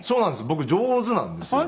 僕上手なんですよ。